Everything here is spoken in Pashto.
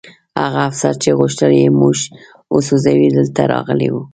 هغه افسر چې غوښتل یې موږ وسوځوي دلته راغلی و